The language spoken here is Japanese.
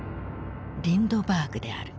リンドバーグである。